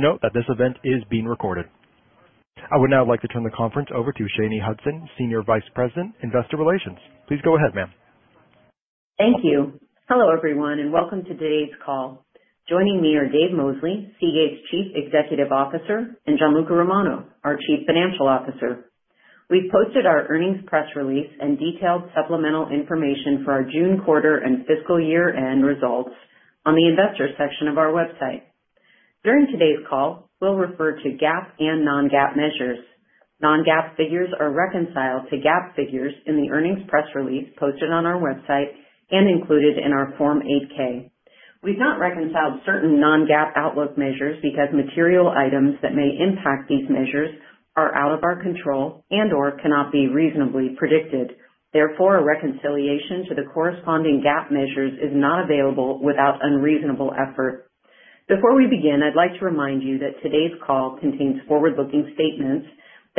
Please note that this event is being recorded. I would now like to turn the conference over to Shanye Hudson, Senior Vice President, Investor Relations. Please go ahead, ma'am. Thank you. Hello everyone and welcome to today's call. Joining me are Dave Mosley, Seagate's Chief Executive Officer, and Gianluca Romano, our Chief Financial Officer. We posted our earnings press release and detailed supplemental information for our June quarter and fiscal year end results on the Investors section of our website. During today's call, we'll refer to GAAP and non-GAAP measures. Non-GAAP figures are reconciled to GAAP figures in the earnings press release posted on our website and included in our Form 8-K. We've not reconciled certain non-GAAP outlook measures because material items that may impact these measures are out of our control and or cannot be reasonably predicted. Therefore, a reconciliation to the corresponding GAAP measures is not available without unreasonable effort. Before we begin, I'd like to remind you that today's call contains forward-looking statements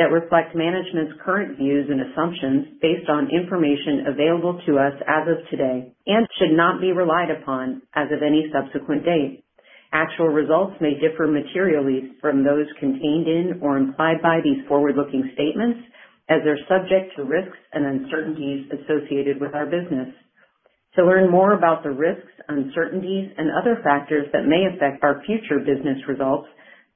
that reflect management's current views and assumptions based on information available to us as of today and should not be relied upon as of any subsequent date. Actual results may differ materially from those contained in or implied by these forward-looking statements as they're subject to risks and uncertainties associated with our business. To learn more about the risks, uncertainties and other factors that may affect our future business results,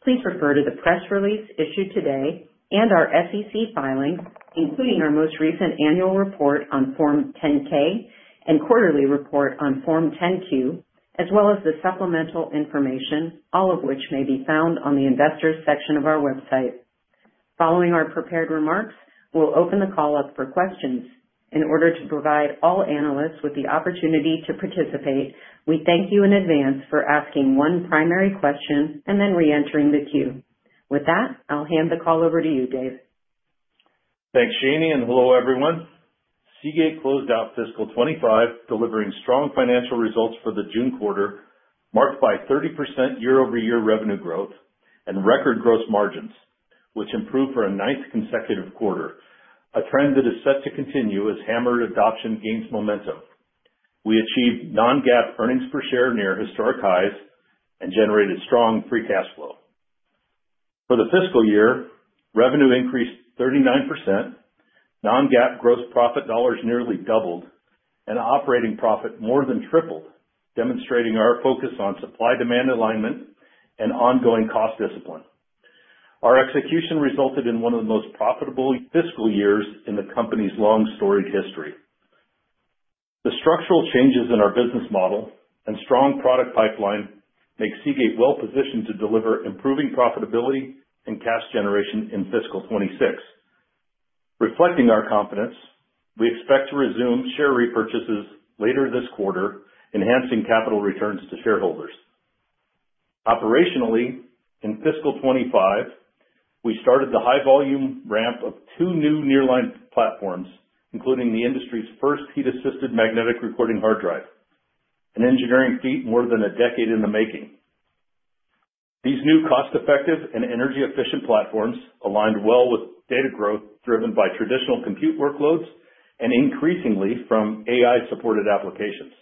please refer to the press release issued today and our SEC filings, including our most recent Annual Report on Form 10-K and Quarterly Report on Form 10-Q as well as the supplemental information, all of which may be found on the Investors section of our website. Following our prepared remarks, we'll open the call up for questions in order to provide all analysts with the opportunity to participate. We thank you in advance for asking one primary question and then re-entering the queue. With that, I'll hand the call over to you, Dave. Thanks, Shanye and hello everyone. Seagate closed out fiscal 2025, delivering strong financial results for the June quarter marked by 30% year-over-year revenue growth and record gross margins, which improved for a ninth consecutive quarter, a trend that is set to continue as HAMR adoption gains momentum. We achieved non-GAAP earnings per share near historic highs and generated strong free cash flow. For the fiscal year, revenue increased 39%, non-GAAP gross profit dollars nearly doubled, and operating profit more than tripled, demonstrating our focus on supply-demand alignment and ongoing cost discipline. Our execution resulted in one of the most profitable fiscal years in the company's long, storied history. The structural changes in our business model and strong product pipeline make Seagate well positioned to deliver improving profitability and cash generation in fiscal 2026. Reflecting our confidence, we expect to resume share repurchases later this quarter, enhancing capital returns to shareholders. Operationally, in fiscal 2025, we started the high-volume ramp of two new nearline platforms, including the industry's first heat-assisted magnetic recording hard drive, an engineering feat more than a decade in the making. These new cost-effective and energy-efficient platforms align well with data growth driven by traditional compute workloads and increasingly from AI-supported applications.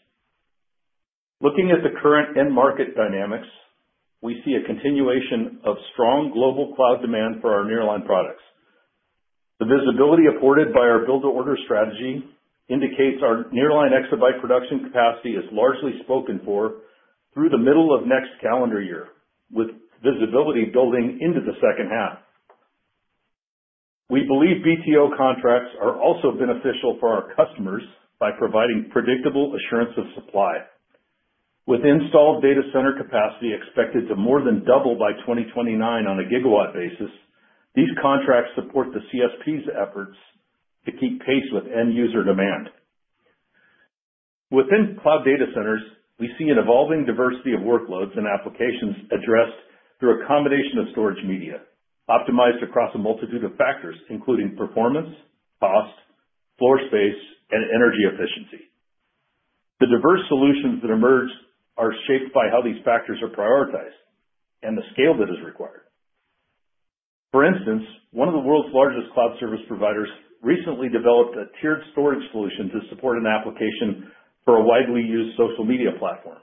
Looking at the current end market dynamics, we see a continuation of strong global cloud demand for our nearline products. The visibility afforded by our build-to-order strategy indicates our nearline exabyte production capacity is largely spoken for through the middle of next calendar year, with visibility building into the second half. We believe BTO contracts are also beneficial for our customers by providing predictable assurance of supply. With installed data center capacity expected to more than double by 2029 on a gigawatt basis, these contracts support the CSP's efforts to keep pace with end user demand. Within cloud data centers, we see an evolving diversity of workloads and applications addressed through a combination of storage media optimized across a multitude of factors including performance, cost, floor space, and energy efficiency. The diverse solutions that emerge are shaped by how these factors are prioritized and the scale that is required. For instance, one of the world's largest cloud service providers recently developed a tiered storage solution to support an application for a widely used social media platform,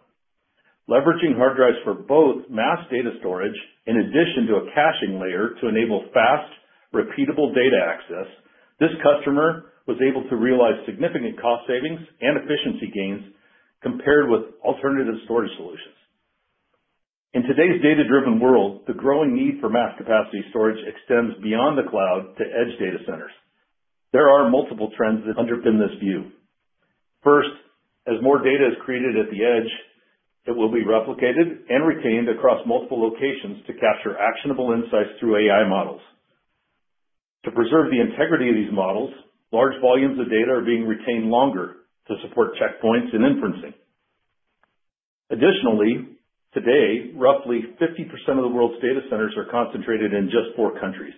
leveraging hard drives for both mass data storage in addition to a caching layer to enable fast repeatable data access. This customer was able to realize significant cost savings and efficiency gains compared with alternative storage solutions. In today's data driven world, the growing need for mass capacity storage extends beyond the cloud to edge data centers. There are multiple trends that underpin this view. First, as more data is created at the edge, it will be replicated and retained across multiple locations to capture actionable insights through AI models. To preserve the integrity of these models, large volumes of data are being retained longer to support checkpoints and inferencing. Additionally, today roughly 50% of the world's data centers are concentrated in just four countries.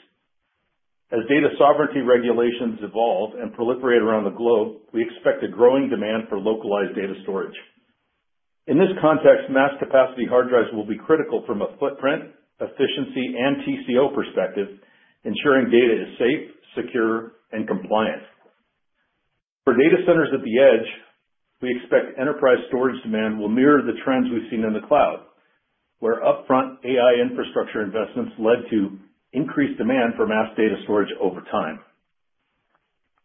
As data sovereignty regulations evolve and proliferate around the globe, we expect a growing demand for localized data storage. In this context, mass capacity hard drives will be critical from a footprint efficiency and TCO perspective, ensuring data is safe, secure and compliant. For data centers at the edge, we expect enterprise storage demand will mirror the trends we've seen in the cloud where upfront AI infrastructure investments led to increased demand for mass data storage over time.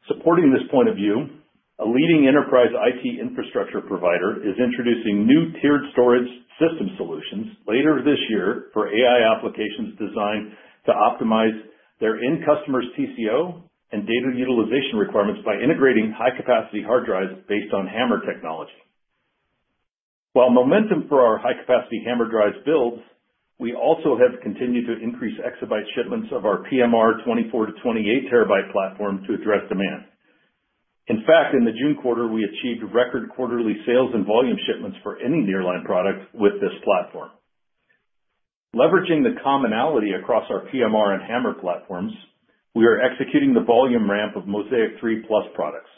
Supporting this point of view, a leading enterprise IT infrastructure provider is introducing new tiered storage system solutions later this year for AI applications designed to optimize their end customers' TCO and data utilization requirements by integrating high capacity hard drives based on HAMR technology. While momentum for our high capacity HAMR drives builds, we also have continued to increase exabyte shipments of our PMR 24 TB-28 TB platform to address demand. In fact, in the June quarter we achieved record quarterly sales and volume shipments for any nearline product with this platform. Leveraging the commonality across our PMR and HAMR platforms, we are executing the volume ramp of Mozaic 3 products.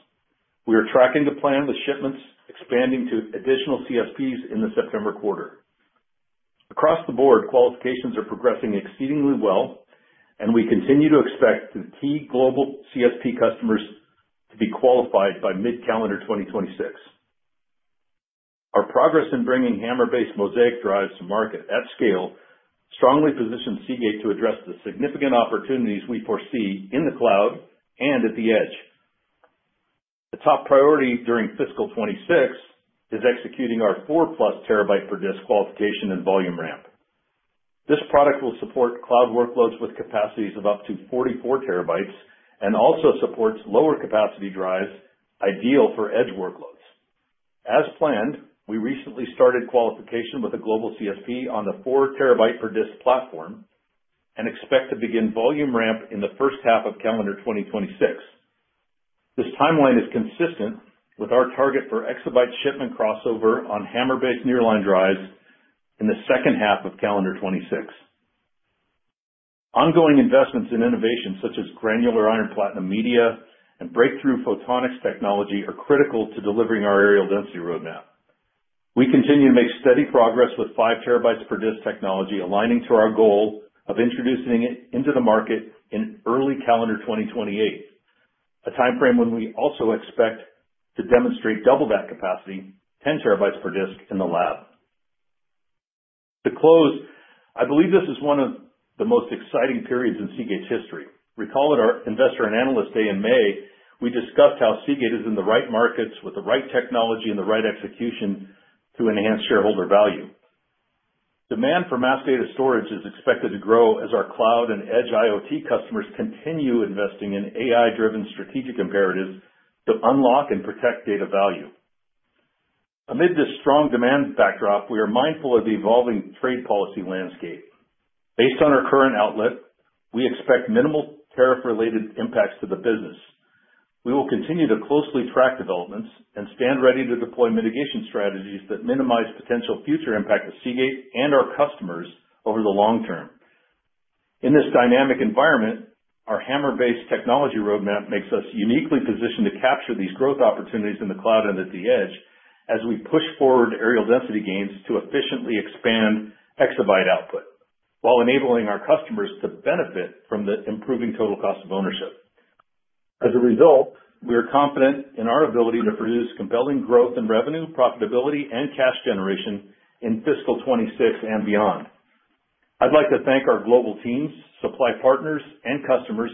We are tracking the plan with shipments expanding to additional CSPs in the September quarter. Across the board, qualifications are progressing exceedingly well and we continue to expect the key global CSP customers to be qualified by mid calendar 2026. Our progress in bringing HAMR-based Mozaic drives to market at scale strongly positions Seagate to address the significant opportunities we foresee in the cloud and at the edge. The top priority during fiscal 2026 is executing our 4 TB+ per disk qualification and volume ramp. This product will support cloud workloads with capacities of up to 44 TB and also supports lower capacity drives ideal for edge workloads. As planned, we recently started qualification with a global CSP on the 4 TB per disk platform and expect to begin volume ramp in the first half of calendar 2026. This timeline is consistent with our target for exabyte shipment crossover on HAMR-based nearline drives in the second half of calendar 2026. Ongoing investments in innovations such as granular iron-platinum media and breakthrough photonics technology are critical to delivering our area density roadmap. We continue to make steady progress with 5 TB per disk technology, aligning to our goal of introducing it into the market in early calendar 2028, a timeframe when we also expect to demonstrate double that capacity, 10 TB per disk, in the lab. To close, I believe this is one of the most exciting periods in Seagate's history. Recall at our Investor and Analyst Day in May, we discussed how Seagate is in the right markets with the right technology and the right execution to enhance shareholder value. Demand for mass data storage is expected to grow as our cloud and edge IoT customers continue investing in AI-driven strategic imperatives to unlock and protect data value. Amid this strong demand backdrop, we are mindful of the evolving trade policy landscape. Based on our current outlook, we expect minimal tariff-related impacts to the business. We will continue to closely track developments and stand ready to deploy mitigation strategies that minimize potential future impact to Seagate and our customers over the long term. In this dynamic environment, our HAMR-based technology roadmap makes us uniquely positioned to capture these growth opportunities in the cloud and at the edge as we push forward area density gains to efficiently expand exabyte output while enabling our customers to benefit from the improving total cost of ownership. As a result, we are confident in our ability to produce compelling growth in revenue, profitability, and cash generation in fiscal 2026 and beyond. I'd like to thank our global teams, supply partners and customers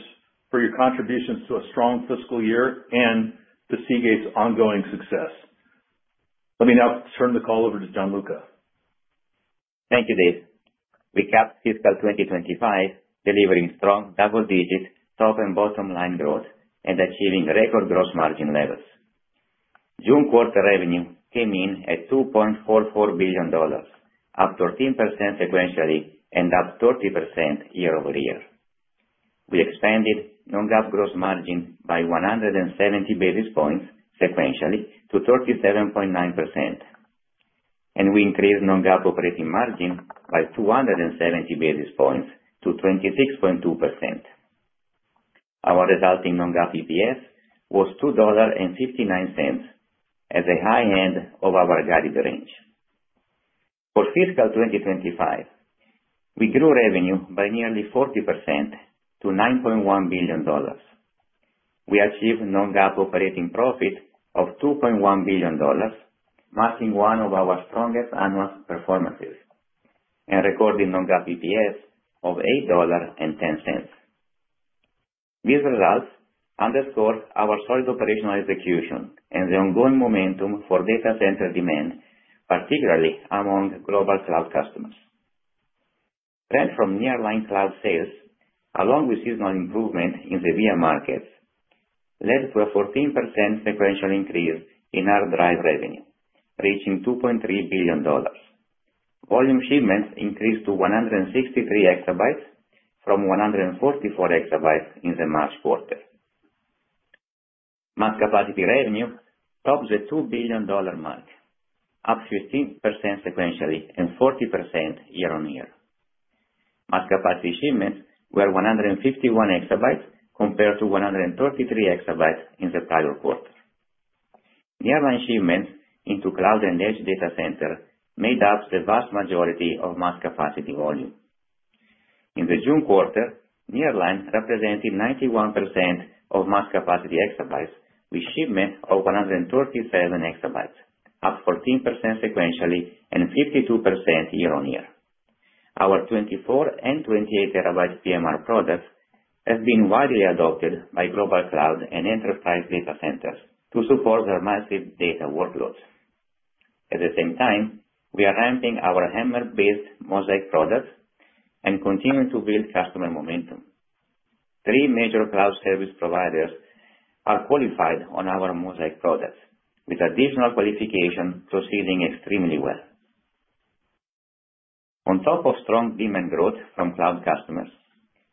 for your contributions to a strong fiscal year and to Seagate's ongoing success. Let me now turn the call over to Gianluca. Thank you Dave. We capped fiscal 2025 delivering strong double-digit top and bottom line growth and achieving record gross margin levels. June quarter revenue came in at $2.44 billion, up 13% sequentially and up 30% year over year. We expanded non-GAAP gross margin by 170 basis points sequentially to 37.9% and we increased non-GAAP operating margin by 270 basis points to 26.2%. Our resulting non-GAAP EPS was $2.59 at the high end of our guided range. For fiscal 2025 we grew revenue by nearly 40% to $9.1 billion. We achieved non-GAAP operating profit of $2.1 billion, marking one of our strongest annual performances and recorded non-GAAP EPS of $8.10. These results underscore our solid operational execution and the ongoing momentum for data center demand, particularly among global cloud customers. Trend from nearline cloud sales along with seasonal improvement in the VIA markets led to a 14% sequential increase in hard drive revenue reaching $2.3 billion. Volume shipments increased to 163 EB from 144 EB in the March quarter. Mass capacity revenue topped the $2 billion mark, up 15% sequentially and 40% year on year. Mass capacity shipments were 151 EB compared to 133 EB in the prior quarter. Nearline shipments into cloud and edge data center made up the vast majority of mass capacity volume in the June quarter. Nearline represented 91% of mass capacity exabytes with shipment of 137 EB, up 14% sequentially and 52% year on year. Our 24 TB and 28 TB PMR products have been widely adopted by global cloud and enterprise data centers to support their massive data workloads. At the same time, we are ramping our HAMR-based Mozaic products and continue to build customer momentum. Three major cloud service providers are qualified on our Mozaic products with additional qualifications proceeding extremely well. On top of strong demand growth from cloud customers,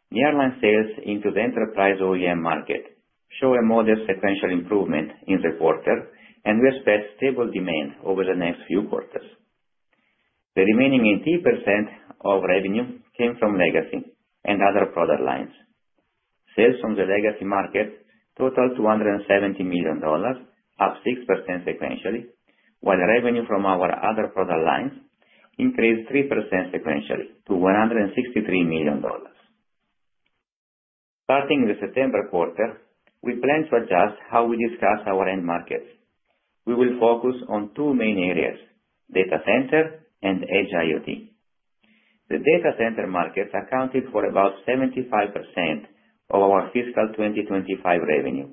the nearline sales into the enterprise OEM market showed a modest sequential improvement in the quarter and we expect stable demand over the next few quarters. The remaining 8% of revenue came from legacy and other product lines. Sales from the legacy market totaled $270 million, up 6% sequentially, while revenue from our other product lines increased 3% sequentially to $163 million. Starting in the September quarter we plan to adjust how we discuss our end markets. We will focus on two main areas: data center and Edge IoT. The data center market accounted for about 75% of our fiscal 2025 revenue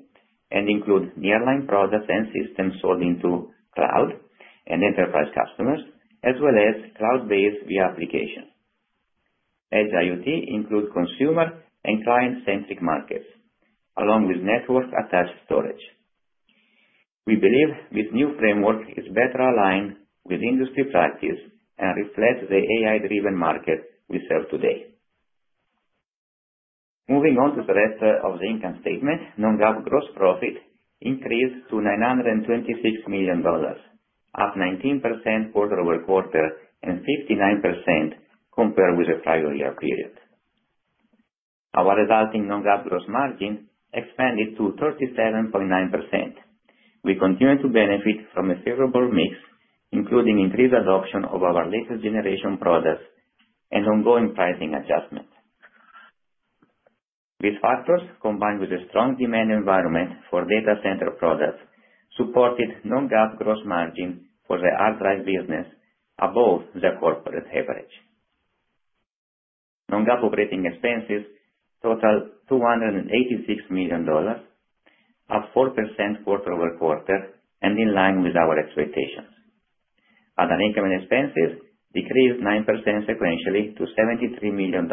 and include nearline products and systems sold into cloud and enterprise customers as well as cloud based via application. Edge IoT includes consumer and client centric markets along with network attached storage. We believe this new framework is better aligned with industry practice and reflects the AI driven market we serve today. Moving on to the rest of the income statement, non-GAAP gross profit increased to $926 million, up 19% quarter over quarter and 59% compared with the prior year period. Our resulting non-GAAP gross margin expanded to 37.9%. We continue to benefit from a favorable mix including increased adoption of our latest generation products and ongoing pricing adjustment. These factors combined with a strong demand environment for data center products supported non-GAAP gross margin for the hard drive business above the corporate average. Non-GAAP operating expenses totaled $286 million, up 4% quarter over quarter and in line with our expectations. Other income and expenses decreased 9% sequentially to $73 million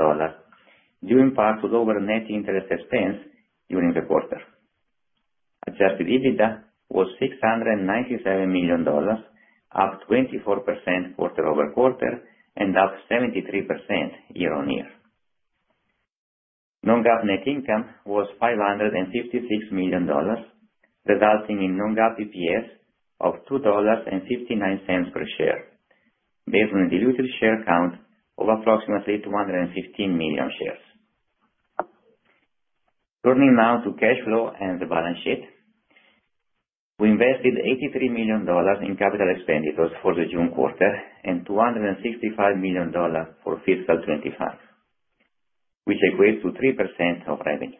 due in part to lower net interest expense during the quarter. Adjusted EBITDA was $697 million, up 24% quarter over quarter and up 73% year on year. Non-GAAP net income was $556 million resulting in non-GAAP EPS of $2.59 per share based on a diluted share count of approximately 215 million shares. Turning now to cash flow and the balance sheet, we invested $83 million in capital expenditures for the June quarter and $265 million for fiscal 2025, which equates to 3% of revenue.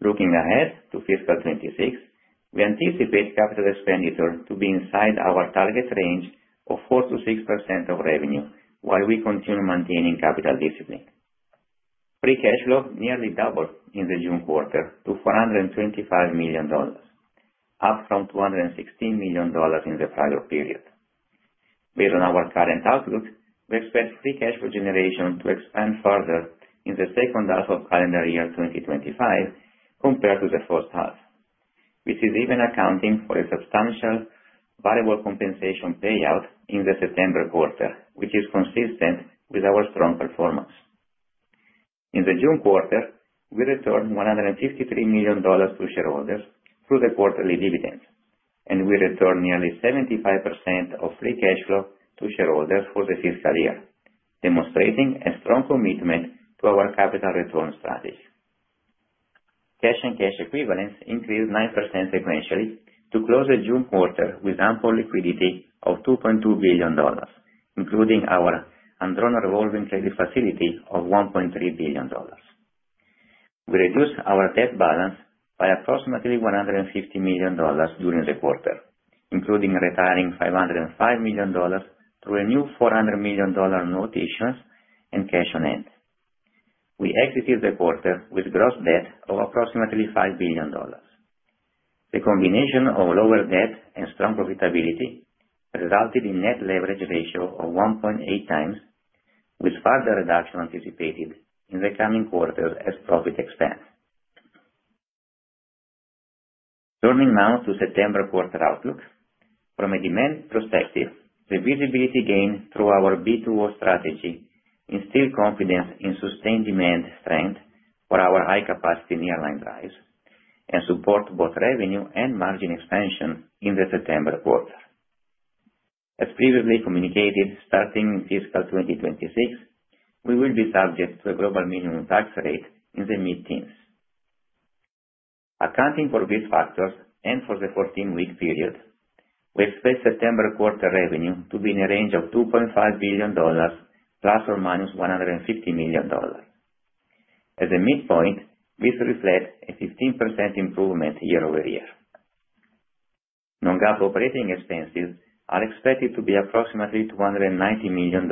Looking ahead to fiscal 2026 we anticipate capital expenditure to be inside our target range of 4%-6% of revenue while we continue maintaining capital discipline. Free cash flow nearly doubled in the June quarter to $425 million, up from $216 million in the prior period. Based on our current outlook, we expect free cash flow generation to expand further in the second half of calendar year 2025 compared to the first half, which is even accounting for a substantial variable compensation payout in the September quarter, which is consistent with our strong performance in the June quarter. We returned $153 million to shareholders through the quarterly dividend and we returned nearly 75% of free cash flow to shareholders for the fiscal year, demonstrating a strong commitment to our capital return strategy. Cash and cash equivalents increased 9% sequentially to close the June quarter with ample liquidity of $2.2 billion including our Androna revolving credit facility of $1.3 billion. We reduced our debt balance by approximately $150 million during the quarter, including retiring $505 million through a new $400 million note issuance and cash on hand. We exited the quarter with gross debt of approximately $5 billion. The combination of lower debt and strong profitability resulted in net leverage ratio of 1.8x with further reduction anticipated in the coming quarters as profit expand. Turning now to September quarter outlook. From a demand perspective, the visibility gained through our BTO strategy instills confidence in sustained demand strength for our high-capacity nearline drives and supports both revenue and margin expansion in the September quarter. As previously communicated, starting in fiscal 2026 we will be subject to a global minimum tax rate in the mid-teens. Accounting for these factors and for the 14-week period, we expect September quarter revenue to be in a range of $2.5 billion ±$150 million at the midpoint. This reflects a 15% improvement year over year. Non-GAAP operating expenses are expected to be approximately $290 million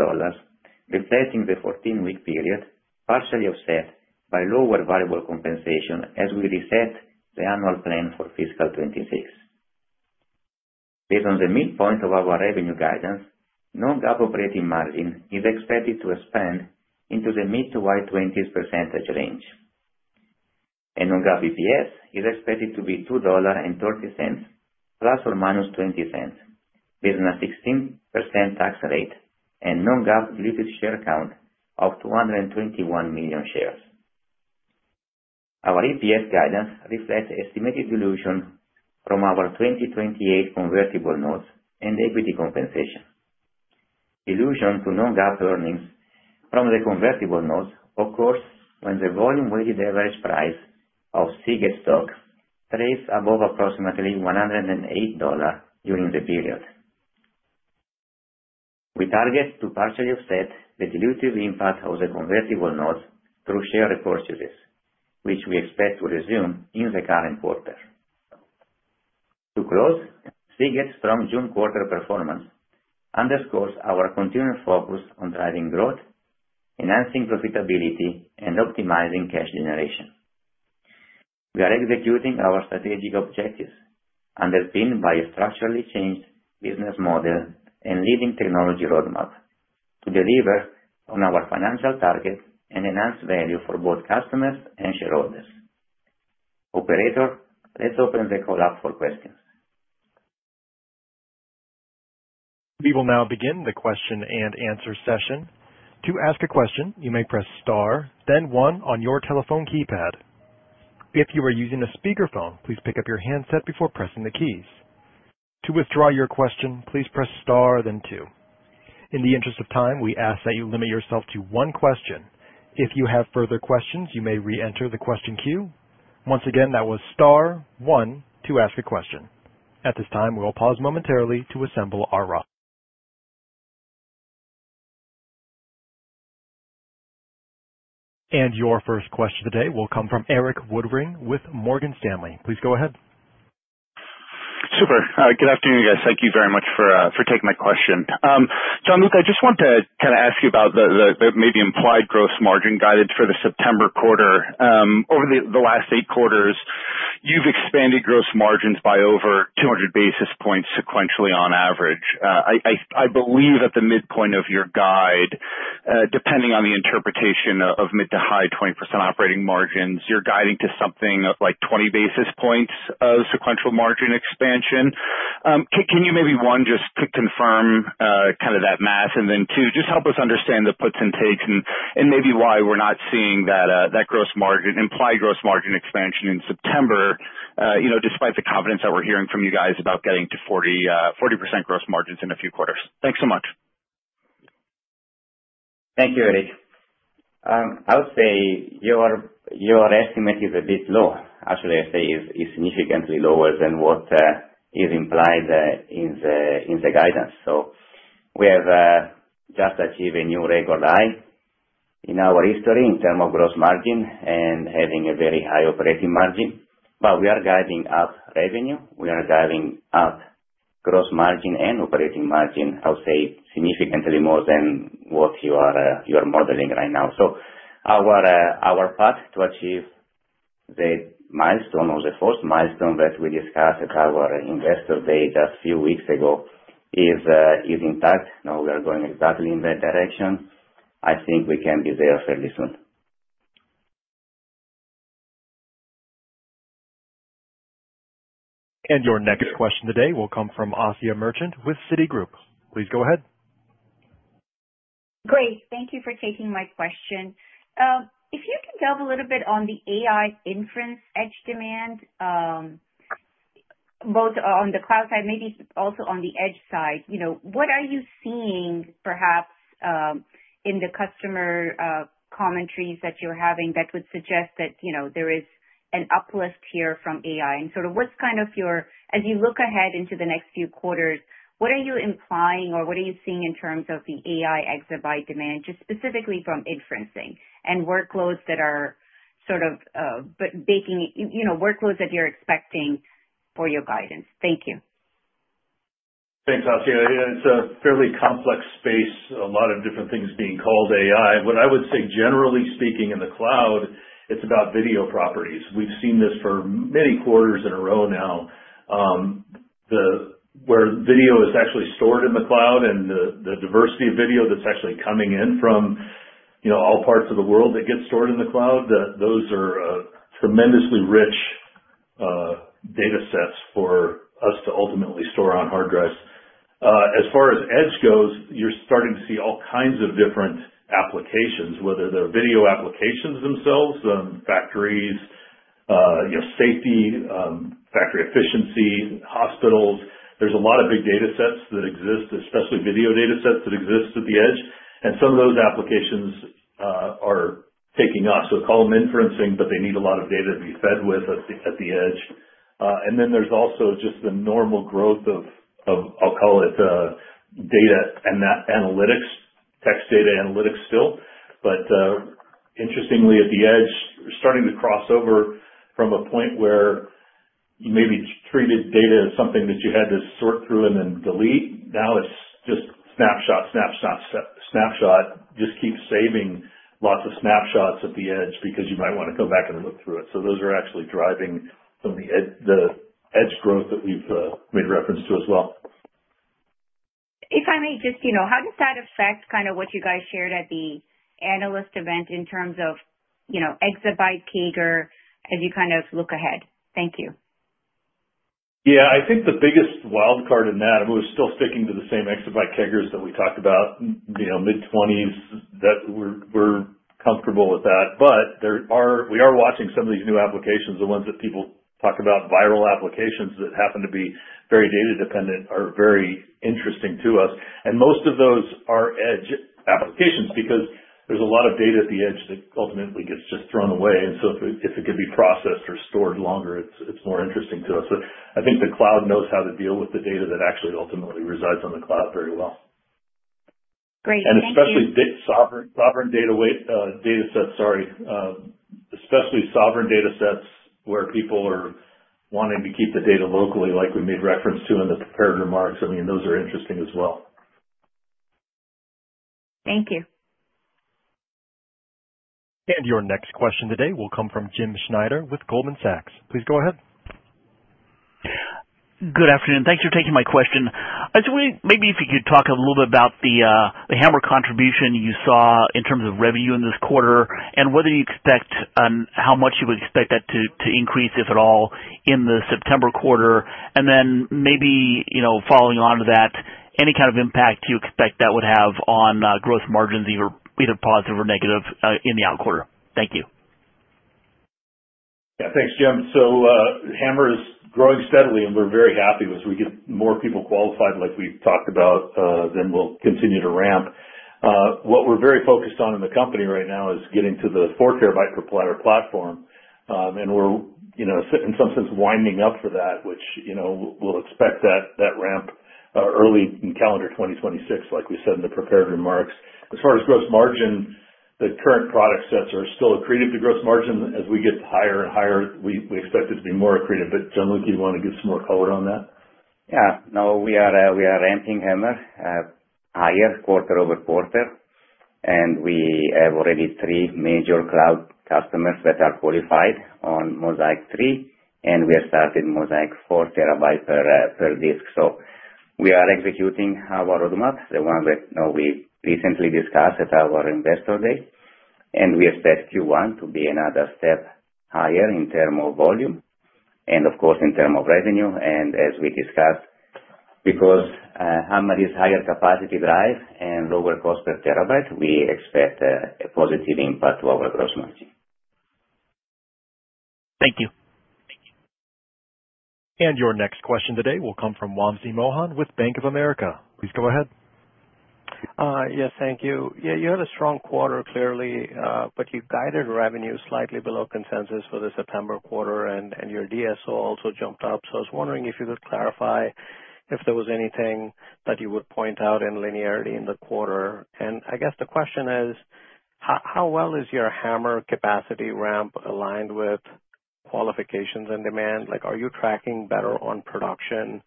reflecting the 14-week period, partially offset by lower variable compensation as we reset the annual plan for fiscal 2026 based on the midpoint of our revenue guidance. Non-GAAP operating margin is expected to expand into the mid to wide 20s percentage range and non-GAAP EPS is expected to be $2.30 ±$0.20 based on a 16% tax rate and non-GAAP related share count of 221 million shares. Our EPS guidance reflects estimated dilution from our 2028 convertible notes and equity compensation. Dilution to non-GAAP earnings from the convertible notes occurs when the volume weighted average price of Seagate stock trades above approximately $108 during the period. We target to partially offset the dilutive impact of the convertible notes through share repurchases, which we expect to resume in the current quarter. To close, Seagate's strong June quarter performance underscores our continued focus on driving growth, enhancing profitability and optimizing cash generation. We are executing our strategic objectives, underpinned by a structurally changed business model and leading technology roadmap to deliver on our financial target and enhance value for both customers and shareholders. Operator, let's open the call up for questions. We will now begin the question and answer session. To ask a question, you may press Star then one on your telephone keypad. If you are using a speakerphone, please pick up your handset before pressing the keys. To withdraw your question, please press Star then two. In the interest of time, we ask that you limit yourself to one question. If you have further questions, you may re-enter the question queue. Once again, that was Star one to ask a question. At this time, we will pause momentarily. To assemble our roster. Your first question of the day will come from Erik Woodring with Morgan Stanley. Please go ahead. Super. Good afternoon. Thank you very much for taking my question. Gianluca, I just want to kind of ask you about maybe implied gross margin guidance for the September quarter. Over the last eight quarters you have expanded gross margins by over 200 basis points sequentially on average. I believe at the midpoint of your guide, depending on the interpretation, mid to high 20% operating margins, you are guiding to something like 20 basis points of sequential margin expansion. Can you maybe one, just confirm kind of that math and then two, just help us understand the puts and takes and maybe why we are not seeing that gross margin, implied gross margin expansion in September despite the confidence that we are hearing from you guys about getting to 40% gross margins in a few quarters. Thanks so much. Thank you, Erik. I would say your estimate is a bit low, actually. I say it is significantly lower than what is implied in the guidance. We have just achieved a new record high in our history in terms of gross margin and having a very high operating margin. We are guiding up revenue. We are guiding up gross margin and operating margin. I would say significantly more than what you are modeling right now. Our path to achieve the milestone, or the fourth milestone that we discussed at our Investor Day just a few weeks ago, is intact. We are going exactly in that direction. I think we can be there fairly soon. Your next question today will come from Asiya Merchant with Citigroup. Please go ahead. Great. Thank you for taking my question. If you can delve a little bit. On the AI inference, edge demand. Both. On the cloud side, maybe also on the edge side. What are you seeing perhaps in the customer commentaries that you're having that would suggest that, you know, there is an uplift here from AI and sort of what's kind of your, as you look ahead into the next few quarters, what are you implying or what are you seeing in terms of the exabyte demand, just specifically from inferencing and workloads that are sort of baking, you know, workloads that you're expecting for your guidance? Thank you. Thanks, Asiya. It's a fairly complex space, a lot of different things being called AI. What I would say, generally speaking in the cloud, it's about video properties. We've seen this for many quarters in a row now, where video is actually stored in the cloud and the diversity of video that's actually coming in from all parts of the world that gets stored in the cloud, those are tremendously rich data sets for us to ultimately store on hard drives. As far as edge goes, you're starting to see all kinds of different applications, whether they're video applications themselves, factory safety, factory efficiency, hospitals. There's a lot of big data sets that exist, especially video data sets that exist at the edge. Some of those applications are taking off, so call them inferencing, but they need a lot of data to be fed with at the edge. There's also just the normal growth of, I'll call it data and that analytics text, data analytics still. Interestingly at the edge, starting to cross over from a point where you maybe treated data as something that you had to sort through and then delete. Now it's just snapshot, snapshot, snapshot, just keeps saving lots of snapshots at the edge because you might want to go back and look through it. Those are actually driving some of the edge growth that we've made reference to as well. If I may, just how does that affect kind of what you guys shared at the analyst event in terms of exabyte CAGR, as you kind of look ahead? Thank you. Yeah, I think the biggest wild card in that we're still sticking to the same exabyte keggers that we talked about mid-20s, that we're comfortable with that. We are watching some of these new applications, the ones that people talk about, viral applications that happen to be very data dependent are very interesting to us. Most of those are edge applications because there's a lot of data at the edge that ultimately gets just thrown away. If it could be processed or stored longer, it's more interesting to us. I think the cloud knows how to deal with the data that actually ultimately resides on the cloud very well. Great. Especially sovereign data weight data sets. Sorry. Especially sovereign data sets where people are wanting to keep the data locally. Like we made reference to in the prepared remarks. I mean, those are interesting as well. Thank you. Your next question today will come from Jim Schneider with Goldman Sachs. Please go ahead. Good afternoon. Thanks for taking my question. Maybe if you could talk a little bit about the HAMR contribution you saw in terms of revenue in this quarter and whether you expect how much you would expect that to increase, if at all, in the September quarter. Then maybe following on to that, any kind of impact you expect that would have on gross margins, either positive or negative in the out quarter. Thanks, Jim. So HAMR is growing steadily and we're very happy. As we get more people qualified like we talked about, then we'll continue to ramp. What we're very focused on in the company right now is getting to the 4 TB per platter platform, and we're in some sense winding up for that, which we'll expect that ramp early in calendar 2026. Like we said in the prepared remarks, as far as gross margin, the current product sets are still accretive to gross margin. As we get higher and higher, we expect it to be more accretive. But Gianluca, do you want to give some more color on that? Yeah. No, we are ramping HAMR higher quarter over quarter. We have already three major cloud customers that are qualified on Mozaic 3. We have started Mozaic 4 TB per disk. We are executing our roadmaps, the one that we recently discussed at our Investor Day. We expect Q1 to be another step higher in terms of volume and, of course, in terms of revenue. As we discussed, because HAMR is higher capacity drive and lower cost per terabyte, we expect a positive increase impact to our gross margin. Thank you. Your next question today will come from Wamsi Mohan with Bank of America. Please go ahead. Yes, thank you. You had a strong quarter, clearly, but you guided revenue slightly below consensus for the September quarter, and your DSO also jumped up. I was wondering if you could clarify if there was anything that you would point out in linearity in the quarter. I guess the question is, how well is your HAMR capacity ramp aligned with qualifications and demand, like are you tracking better on production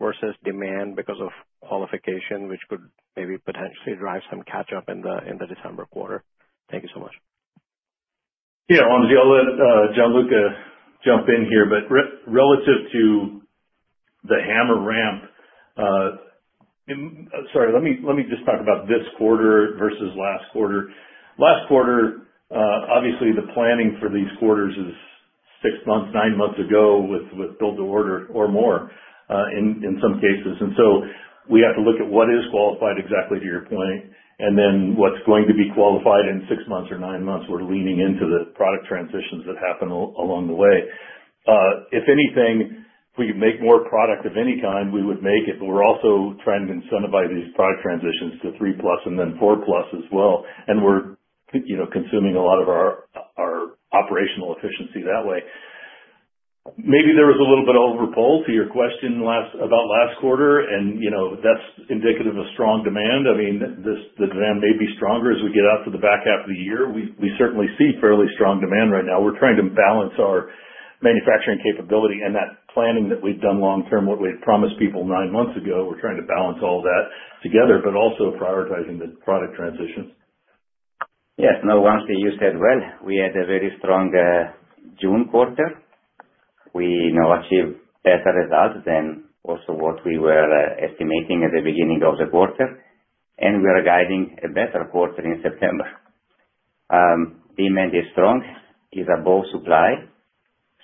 versus demand because of qualification, which could maybe potentially drive some catch up in the December quarter. Thank you so much. Yeah, I'll let Gianluca jump in here, but relative to the HAMR ramp. Sorry, let me just talk about this quarter versus last quarter. Last quarter, obviously the planning for these quarters is six months, nine months ago with build-to-order or more in some cases. We have to look at what is qualified exactly to your point. Then what's going to be qualified in six months or nine months. We're leaning into the product transitions that happen along the way. If anything, if we could make more product of any kind, we would make it. We're also trying to incentivize these product transitions to 3+ and then 4+ as well. We're consuming a lot of our operational efficiency that way. Maybe there was a little bit of overpull to your question about last quarter and that's indicative of strong demand. I mean, the demand may be stronger as we get out to the back half of the year. We certainly see fairly strong demand right now. We're trying to balance our manufacturing capability and that planning that we've done long term, what we had promised people nine months ago. We're trying to balance all that together, but also prioritizing the product transitions. Yes. No, once you said, we had a very strong June quarter, we now achieved better results than also what we were estimating at the beginning of the quarter. We are guiding a better quarter in September. Demand is strong, is above supply.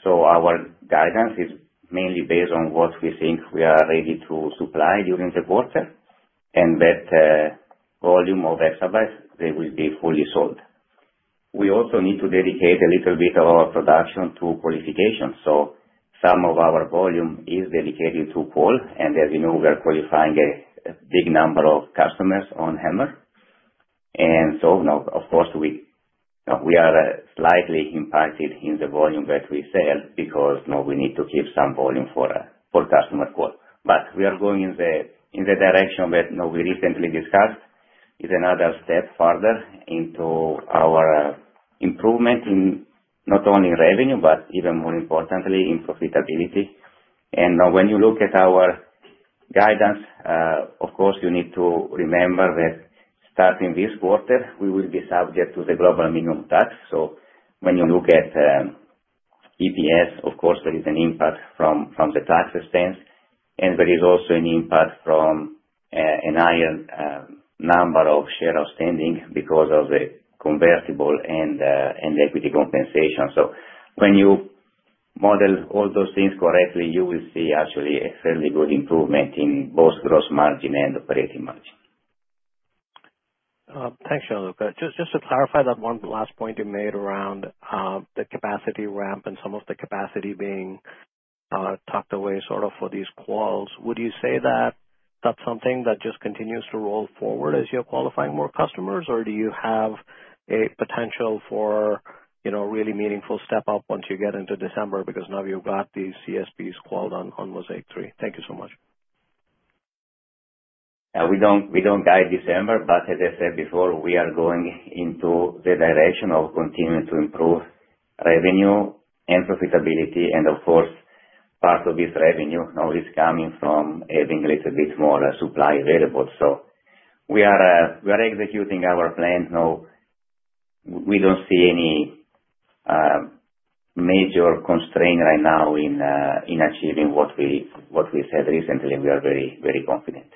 Our guidance is mainly based on what we think we are ready to supply during the quarter and that volume of exabytes, they will be fully sold. We also need to dedicate a little bit of our production to qualifications. Some of our volume is dedicated to qual. As you know, we are qualifying a big number of customers on HAMR. Now of course we are slightly impacted in the volume that we sell because we need to keep some volume for customer qual. We are going in the direction that we recently discussed, it is another step further into our improvement in not only revenue, but even more importantly in profitability. When you look at our guidance, you need to remember that starting this quarter we will be subject to the global minimum tax. When you look at EPS, there is an impact from the tax expense and there is also an impact from a higher number of shares outstanding because of the convertible and equity compensation. When you model all those things correctly, you will see actually a fairly good improvement in both gross margin and operating margin. Thanks, Gianluca. Just to clarify that one last point you made around the capacity ramp and some of the capacity being tucked away sort of for these quals, would you say that that's something that just continues to roll forward as you're qualifying more customers, or do you have a potential for, you know, really meaningful step up once you get into December? Because now you've got these CSPs called on Mozaic 3. Thank you so much. We do not guide December, but as I said before, we are going into the direction of continuing to improve revenue and profitability. Of course, part of this revenue now is coming from having a little bit more supply available. We are executing our plans now. We do not see any major constraint right now in achieving what we said recently. We are very, very confident.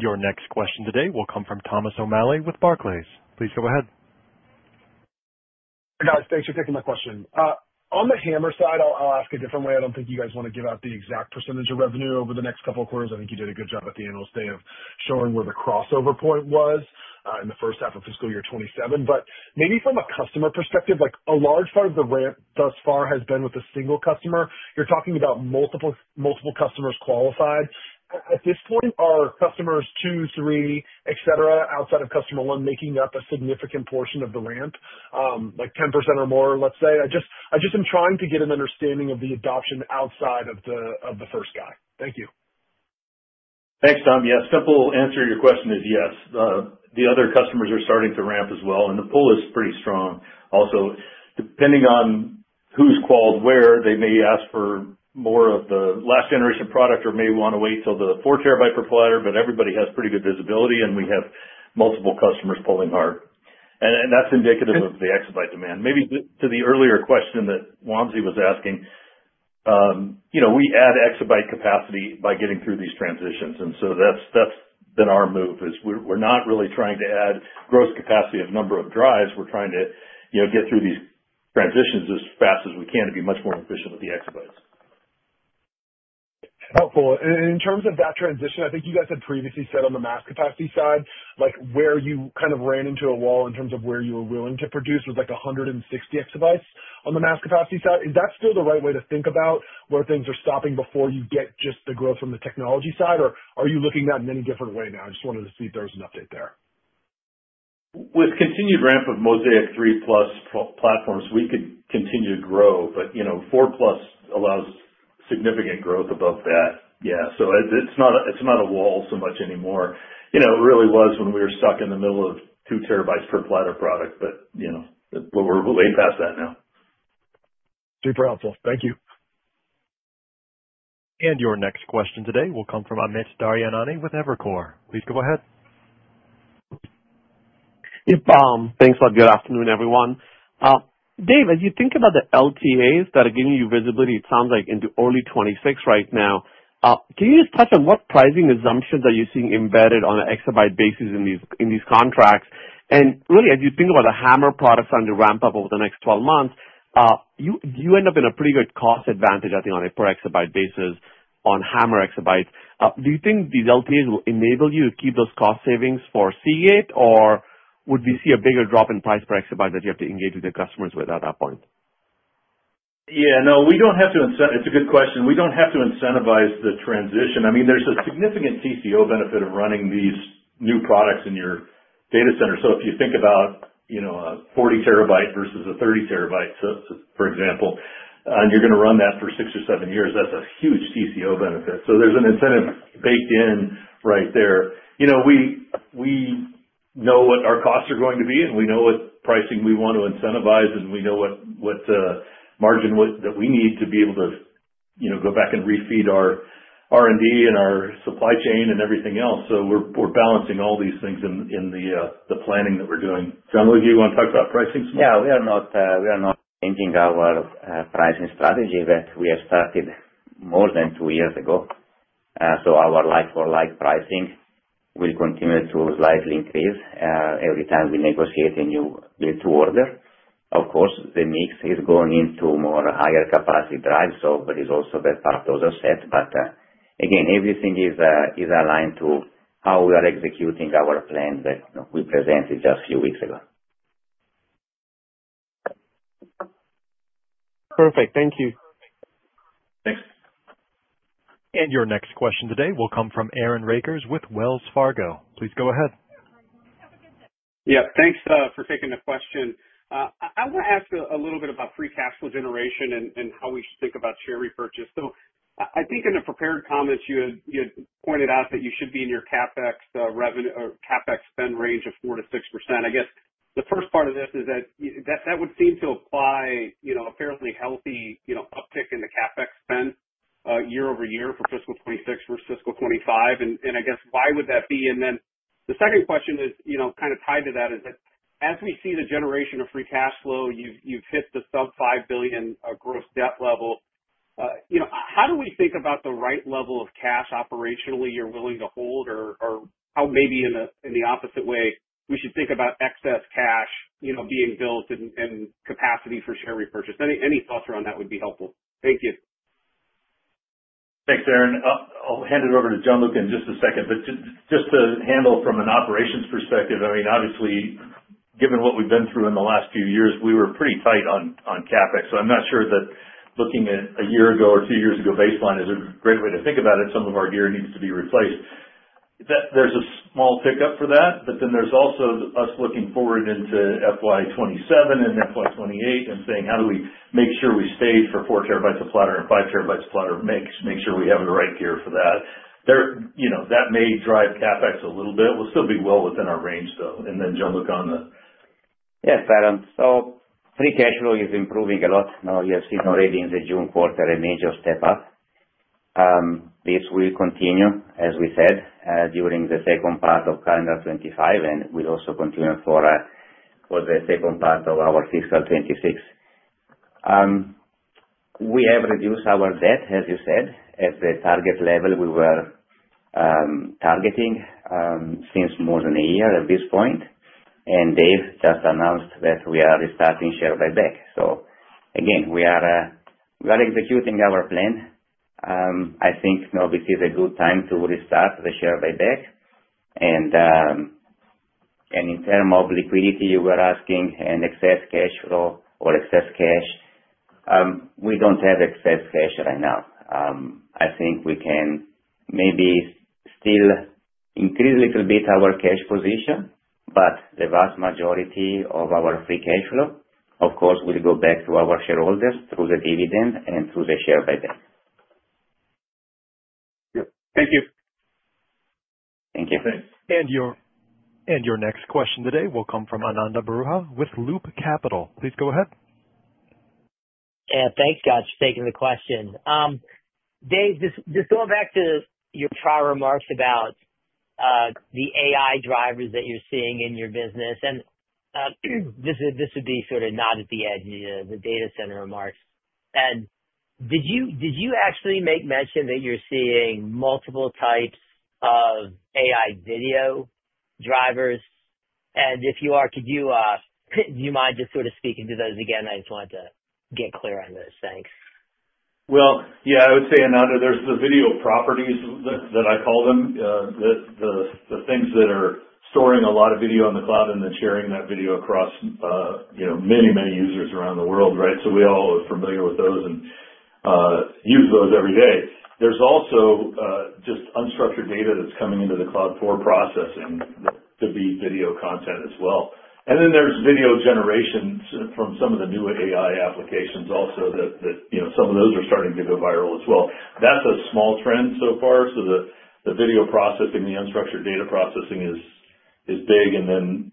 Your next question today will come from Thomas O'Malley with Barclays. Please go ahead. Hi guys. Thanks for taking my question. On the HAMR side. I'll ask a different way. I don't think you guys want to give out the exact percentage of revenue over the next couple of quarters. I think you did a good job. At the analyst day of showing where the crossover point was in the first half of fiscal year 2027. Maybe from a customer perspective, like a large part of the ramp thus far has been with a single customer. You're talking about multiple, multiple customers qualified at this point. Are customers two, three, et cetera, outside of customer one making up a significant portion of the ramp, like 10% or more, let's say? I just am trying to get an understanding of the adoption outside of the first guy. Thank you. Thanks, Tom. Yes, simple answer to your question is yes, the other customers are starting to ramp as well and the pool is pretty strong. Also, depending on who's qualed, where they may ask for more of the last generation product or may want to wait till the 4 TB per platter. Everybody has pretty good visibility and we have multiple customers pulling hard and that's indicative of the exabyte demand. Maybe to the earlier question that Wamsi was asking. You know, we add exabyte capacity by getting through these transitions. That's been our move. We're not really trying to add gross capacity of number of drives. We're trying to get through these transitions as fast as we can to be much more efficient with the exabytes, helpful in terms of that transition. I think you guys had previously said on the mass capacity side, like where you kind of ran into a wall in terms of where you were willing to produce was like 160 EB on the mass capacity side. Is that still the right way to think about where things are stopping before you get just the growth from the technology side, or are you looking at it in any different way now? I just wanted to see if there was an update there. With continued ramp of Mozaic 3+ platforms, we could continue to grow, but 4+ allows significant growth above that. Yeah, it's not a wall so much anymore. It really was when we were stuck in the middle of 2 TB per platter product. We're way past that now. Super helpful, thank you. Your next question today will come from Amit Daryanani with Evercore. Please go ahead. Thanks a lot. Good afternoon, everyone. Dave, as you think about the LTAs that are giving you visibility, it sounds like into early 2026 right now. Can you just touch on what pricing assumptions are you seeing embedded on an exabyte basis in these contracts? Really, as you think about the HAMR product starting to ramp up over the next 12 months, you end up in a pretty good cost advantage, I think, on a per exabyte basis. On HAMR exabyte, do you think these. LPAs will enable you to keep those. Cost savings for Seagate, or would we see a bigger drop in price per? Exabyte that you have to engage with your customers with at that point? Yes. No, we do not have to. It is a good question. We do not have to incentivize the transition. I mean, there is a significant TCO benefit of running these new products in your data center. If you think about 40 TB versus a 30 TB, for example, and you are going to run that for six or seven years, that is a huge TCO benefit. There is an incentive baked in right there. You know, we know what our costs are going to be and we know what pricing we want to incentivize and we know what margin that we need to be able to go back and refeed our R&D and our supply chain and everything else. We are balancing all these things in the planning that we are doing. Gianluca, do you want to talk about pricing? Yeah. We are not changing our pricing strategy that we have started more than two years ago. So our like-for-like pricing will continue to slightly increase every time we negotiate a new build-to-order. Of course, the mix is going into more higher capacity drives. There is also that part of the set. Again, everything is aligned to how we are executing our plan that we presented just a few weeks ago. Perfect. Thank you. Thanks. Your next question today will come from Aaron Rakers with Wells Fargo. Please go ahead. Yeah, thanks for taking the question. I want to ask a little bit about free cash flow generation and how we should think about share repurchase. I think in the prepared comments you pointed out that you should be in your CapEx revenue or CapEx spend range of 4%-6%. I guess the first part of this is that that would seem to imply a fairly healthy uptick in the CapEx spend year over year for fiscal 2026 versus fiscal 2025. I guess why would that be? The second question is kind of tied to that, is that as we see the generation of free cash flow, you've hit the sub $5 billion gross debt level. How do we think about the right level of cash operationally you're willing to hold? Or how maybe in the opposite way we should think about excess cash being built and capacity for share repurchase. Any thoughts around that would be helpful. Thank you. Thanks, Aaron. I'll hand it over to Gianluca in just a second. Just to handle from an operations perspective, I mean, obviously given what we've been through in the last few years, we were pretty tight on CapEx. I'm not sure that looking at a year ago or two years ago baseline is a great way to think about it. Some of our gear needs to be replaced. There's a small pickup for that. There's also us looking forward into fiscal 2027 and fiscal 2028 and saying how do we make sure we stage for 4 TB of platter and 5 TB of platter, make sure we have the right gear for that. That may drive CapEx a little bit. We'll still be well within our range though. Gianluca on the. Yes, Aaron. So free cash flow is improving a lot now. You have seen already in the June quarter, a major step up. This will continue, as we said, during the second part of calendar 2025 and will also continue for the second part of our fiscal 2026. We have reduced our debt, as you said, at the target level we were targeting since more than a year at this point. Dave just announced that we are restarting share buyback. Again we are executing our plan. I think now this is a good time to restart the share buyback. In terms of liquidity, you were asking and excess cash flow or excess cash. We do not have excess cash right now. I think we can maybe still increase a little bit our cash position, but the vast majority of our free cash flow, of course, will go back to our shareholders through the dividend and through the share payback. Thank you. Thank you. Your next question today will come from Ananda Baruah with Loop Capital. Please go ahead. Thanks, guys, for taking the question. Dave, just going back to your prior remarks about the AI drivers that you're seeing in your business, and this would be sort of not at the end, the data center remarks, and did you actually make mention that you're seeing multiple types of AI video drivers? And if you are, could you. Do you mind just sort of speaking to those again? I just wanted to get clear on those. Thanks. I would say, Ananda, there's the video properties that I call them, the things that are storing a lot of video on the cloud and then sharing that video across many, many users around the world. Right. We all are familiar with those and use those every day. There's also just unstructured data that's coming into the cloud for processing to be video content as well. Then there's video generation from some of the new AI applications also that some of those are starting to go viral as well. That's a small trend so far. The video processing, the unstructured data processing is big. The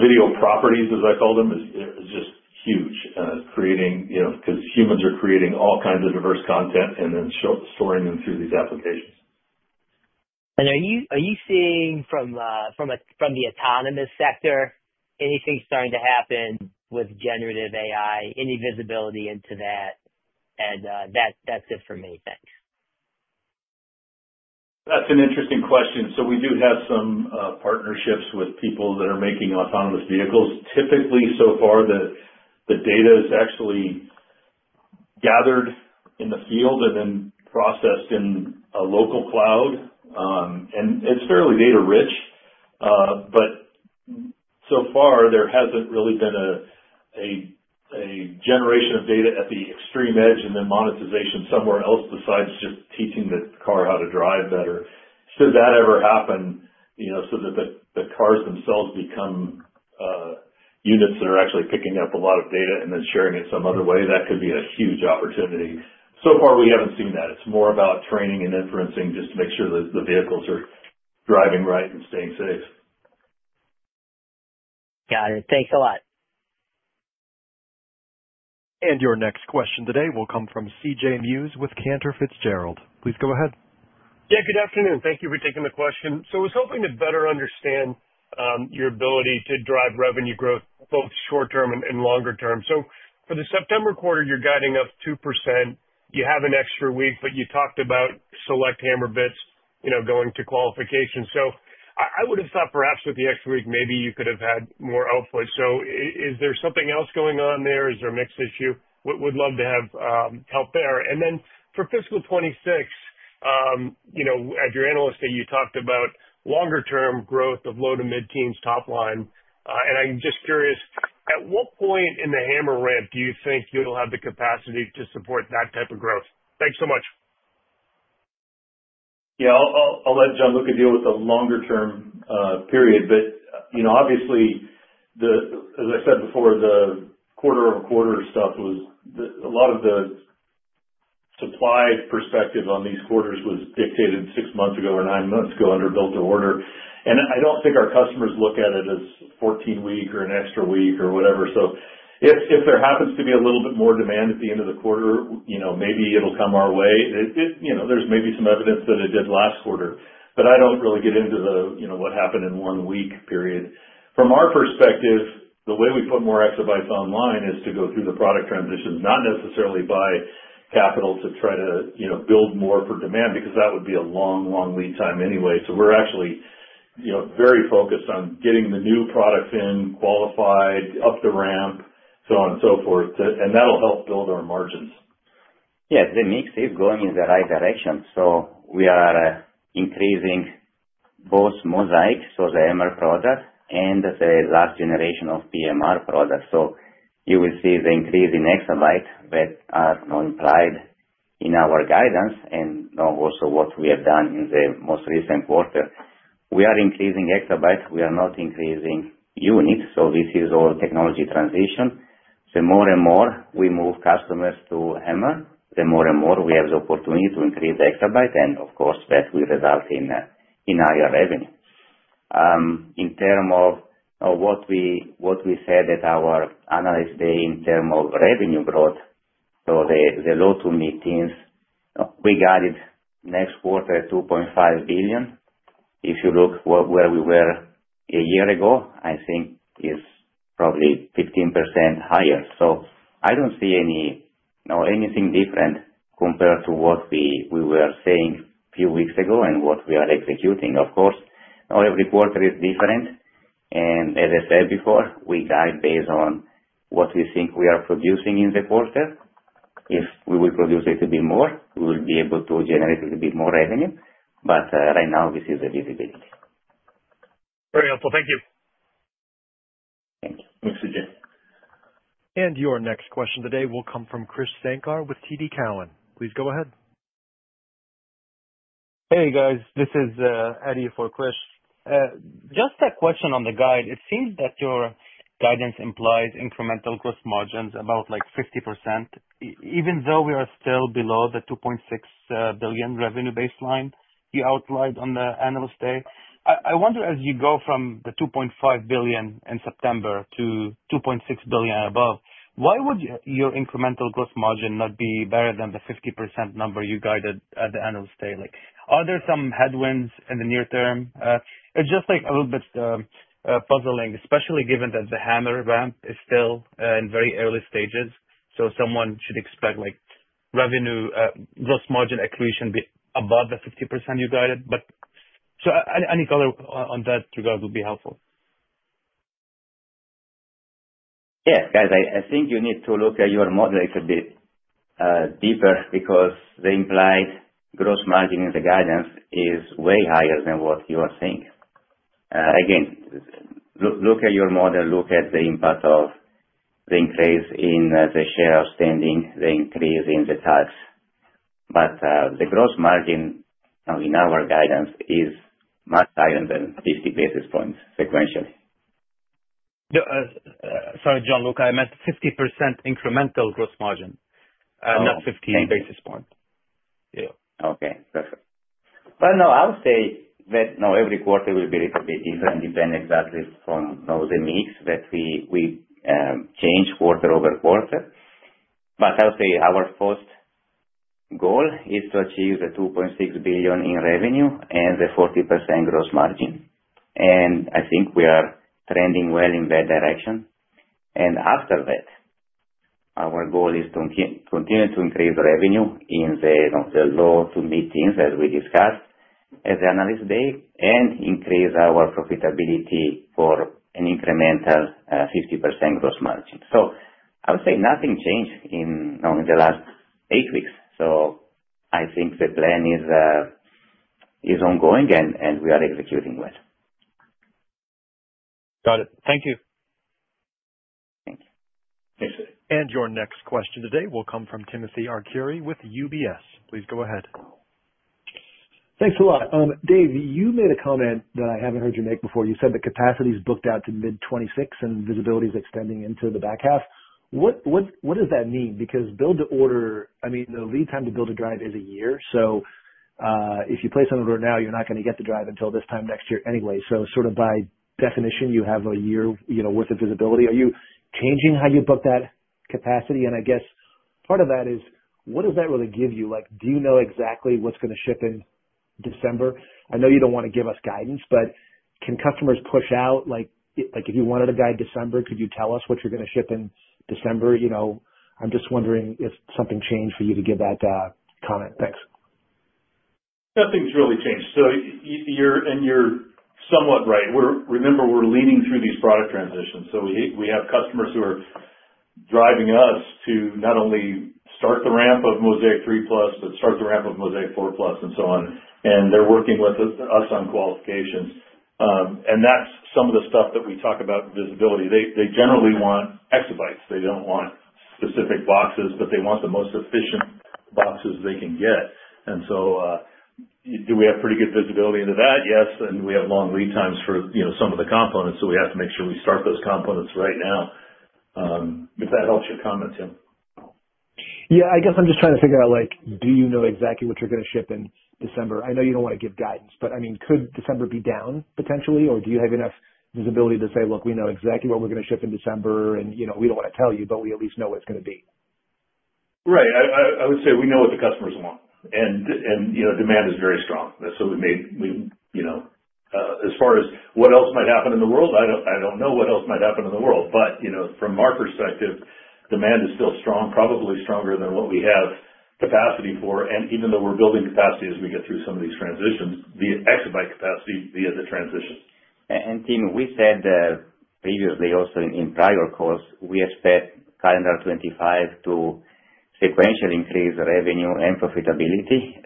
video properties, as I call them, is just huge creating because humans are creating all kinds of diverse content and then storing them through these applications. Are you seeing from the autonomous sector anything starting to happen with generative AI, any visibility into that? That's it for me. Thanks. That's an interesting question. We do have some partnerships with people that are making autonomous vehicles. Typically so far the data is actually gathered in the field and then processed in a local cloud and it's fairly data rich. So far there hasn't really been a generation of data at the extreme edge and then monetization somewhere else besides just teaching the car how to drive better, should that ever happen, so that the cars themselves become units that are actually picking up a lot of data and then sharing it some other way. That could be a huge opportunity. So far we haven't seen that. It's more about training and inferencing just to make sure the vehicles are driving right and staying safe. Got it. Thanks a lot. Your next question today will come from C.J. Muse with Cantor Fitzgerald. Please go ahead. Yeah, good afternoon. Thank you for taking the question. So I was hoping to better understand your ability to drive revenue growth both short term and longer term. For the September quarter you're guiding up 2%, you have an extra week but you talked about select HAMR bits going to qualification. I would have thought perhaps with the extra week maybe you could have had more output. Is there something else going on there? Is there a mix issue? Would love to have help there. For fiscal 2026, you know, at your analyst day you talked about longer term growth of low to mid teens, top line. I'm just curious at what point in the HAMR ramp do you think you'll have the capacity to support that type of growth? Thanks so much. I'll let Gianluca at the longer term period. Obviously as I said before, the quarter on quarter stuff was, a lot of the supply perspective on these quarters was dictated six months ago or nine months ago under build-to-order. I don't think our customers look at it as 14 week or an extra week or whatever. If there happens to be a little bit more demand at the end of the quarter, maybe it'll come our way. There's maybe some evidence that it did last quarter, but I don't really get into what happened in one week period. From our perspective, the way we put more exabytes online is to go through the product transitions, not necessarily buy capital to try to build more for demand because that would be a long, long lead time anyway. We're actually very focused on getting the new products in qualified, up the ramp, so on and so forth. That will help build our margins. Yes, the mix is going in the right direction. We are increasing both Mozaic, so the HAMR product, and the last generation of PMR products. You will see the increase in exabytes that are implied in our guidance and also what we have done in the most recent quarter. We are increasing exabytes, we are not increasing units. This is all technology transition. The more and more we move customers to HAMR, the more and more we have the opportunity to increase exabytes. Of course, that will result in higher revenue in terms of what we said at our analyst day in terms of revenue growth. The low to mid-teens we guided next quarter, $2.5 billion. If you look where we were a year ago, I think it is probably 15% higher. I do not see anything different compared to what we were saying a few weeks ago and what we are executing. Of course, every quarter is different. As I said before, we guide based on what we think we are producing in the quarter. If we will produce a little bit more, we will be able to generate a little bit more revenue. Right now this is the visibility. Very helpful. Thank you. Thank you. Thanks C.J. Your next question today will come from Krish Sankar with TD Cowen. Please go ahead. Hey guys, this is Eddie for Krish. Just a question on the guide, it. Seems that your guidance implies incremental gross margins about like 50% even though we. Are still below the $2.6 billion revenue baseline you outlined on the analyst day. I wonder as you go from the. $2.5 billion in September to $2.6 billion. Above, why would your incremental gross. Margin not be better than the 50%. Number you guided at the end of this day? Are there some headwinds in the near term? It's just a little bit puzzling, especially given that the HAMR ramp is still. In very early stages. Someone should expect revenue gross margin accretion be above the 50% you guided. Any color on that regard would be helpful. Yeah, guys, I think you need to look at your model a little bit deeper because the implied gross margin in the guidance is way higher than what you are saying. Again, look at your model. Look at the impact of the increase in the share outstanding, the increase in the tax. The gross margin in our guidance is much higher than 50 basis points sequentially. Sorry, Gianluca, I meant 50% incremental gross margin, not 15 basis points. Okay, perfect. No, I would say that now every quarter will be a little bit different depending exactly on the mix that we change quarter over quarter. I would say our first goal is to achieve the $2.6 billion in revenue and the 40% gross margin. I think we are trending well in that direction. After that, our goal is to continue to increase revenue in the low to mid teens as we discussed at the analyst day and increase our profitability for an incremental 50% gross margin. I would say nothing changed in the last eight weeks. I think the plan is ongoing and we are executing well. Got it. Thank you. Your next question today will come from Timothy Arcuri with UBS. Please go ahead. Thanks a lot. Dave, you made a comment that I haven't heard you make before. You said the capacity is booked out to mid 2026 and visibility is extended into the back half. What does that mean? Because build-to-order, I mean the lead time to build the drive is a year. If you place an order now, you're not going to get the drive until this time next year anyway. Sort of, by definition, you have a year worth of visibility. Are you changing how you book that capacity? I guess part of that is what does that really give you? Do you know exactly what's going to ship in December? I know you don't want to give us guidance, but can customers push out? If you wanted to guide December, could you tell us what you're going to ship in December? I'm just wondering if something changed for you to give that comment. Thanks. Nothing's really changed. You're somewhat right. Remember, we're leaning through these product transitions, so we have customers who are driving us to not only start the ramp of Mozaic 3+, but start the ramp of Mozaic 4+ and so on. They're working with us on qualifications. That's some of the stuff that we talk about, visibility. They generally want exabytes. They don't want specific boxes, but they want the most efficient boxes they can get. Do we have pretty good visibility into that? Yes. We have long lead times for some of the components. We have to make sure we start those components right now, if that helps your comments in. Yeah, I guess I'm just trying to. Figure out, like, do you know exactly what you're going to ship? And I know you don't want to give guidance, but I mean, could December be down potentially, or do you have enough visibility to say, look, we know exactly what we're going to ship in December, and, you know, we don't want to tell you, but we at least know what it's going to be. Right. I would say we know what the customers want and, you know, demand is very strong. So we made, you know, as far as what else might happen in the world, I don't know what else might happen in the world, but, you know, from our perspective, demand is still strong, probably stronger than what we have capacity for. And even though we're building capacity as we get through some of these transitions via exabyte capacity via the transition. Tim, we said previously also in prior calls, we expect calendar 2025 to sequentially increase revenue and profitability.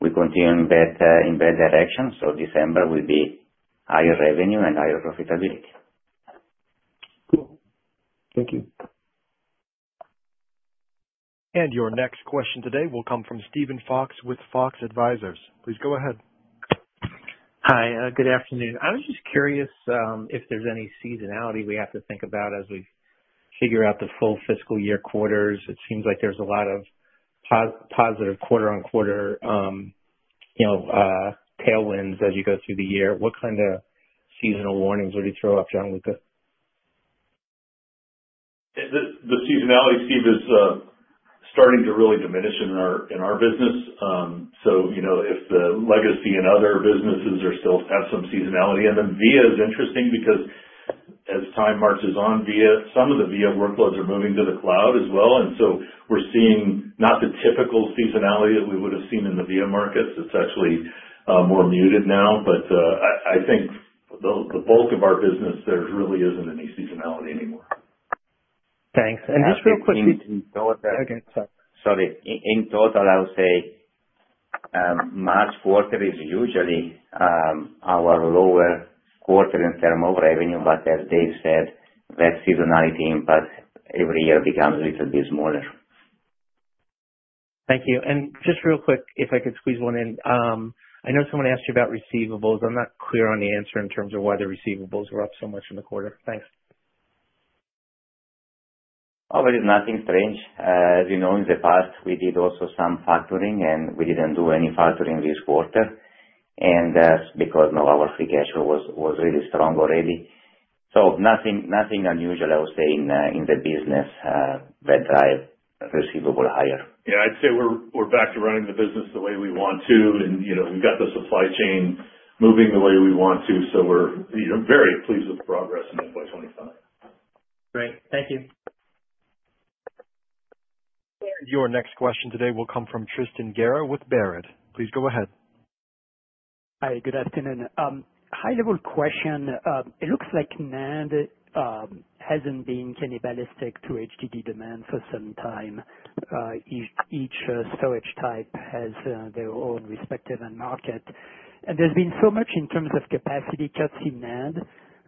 We continue in that direction. December will be higher revenue and higher profitability. Thank you. Your next question today will come from Steven Fox with Fox Advisors. Please go ahead. Hi, good afternoon. I was just curious if there's any seasonality we have to think about as we figure out the full fiscal year quarters. It seems like there's a lot of positive quarter on quarter tailwinds as you go through the year. What kind of seasonal warnings? What do you throw up, Gianluca? The seasonality, Steve, is starting to really diminish in our business. You know, if the legacy and other businesses still have some seasonality and then VIA is interesting because as time marches on, VIA, some of the VIA workloads are moving to the cloud as well. We are seeing not the typical seasonality that we would have seen in the VIA markets. It is actually more muted now. I think the bulk of our business, there really is not any seasonality anymore. Thanks. Just real quick, sorry. In total I would say March quarter is usually our lower quarter in terms of revenue, but as Dave said, that seasonality impact every year becomes a little bit smaller. Thank you. Just real quick, if I could squeeze one in. I know someone asked you about receivables. I'm not clear on the answer in terms of why the receivables were up so much in the quarter. Thanks. Oh, there is nothing strange as you know in the past we did also some factoring and we did not do any factoring this quarter because our free cash flow was really strong already. Nothing unusual I would say in the business that drive receivable higher. Yeah, I'd say we're back to running the business the way we want to and you know, we've got the supply chain moving the way we want to. So we're very pleased with the progress in FY 2025. Great, thank you. Your next question today will come from Tristan Garra with Barrett. Please go ahead. Hi, good afternoon. High level question. It looks like NAND hasn't been cannibalistic. To HDD demand for some time. Each storage type has their own respective. End market and there's been so much in terms of capacity cuts in NAND